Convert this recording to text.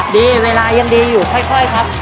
ดีเวลายังดีอยู่ค่อยครับ